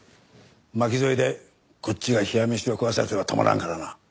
巻き添えでこっちが冷や飯を食わされてはたまらんからな。